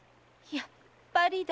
やっぱりだ。